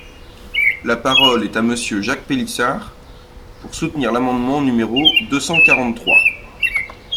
La parole est à Monsieur Jacques Pélissard, pour soutenir l’amendement numéro deux cent quarante-trois.